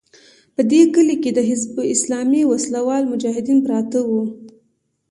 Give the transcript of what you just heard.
په دې کلي کې د حزب اسلامي وسله وال مجاهدین پراته وو.